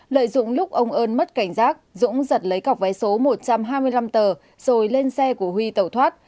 lợi dụng lúc ông ơn mất cảnh giác dũng giật lấy cọc vé số một trăm hai mươi năm tờ rồi lên xe của huy tẩu thoát